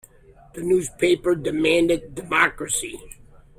The newspapers demanded democracy.